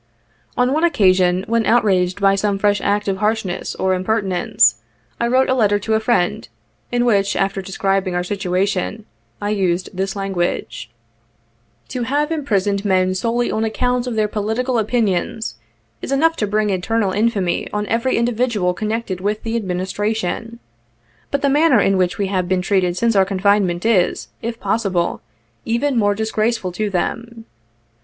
On one occasion, when outraged by some fresh act of harshness or impertinence, I wrote a letter to a friend, in which, after describing our situation, I used this language :'' To have imprisoned men soleiy on account of their political opin ions, is enough to bring eternal infamy on every individual connected with the Administration ; hut the manner in which we have been treated since our confinement, is, if possible, even more disgraceful to them.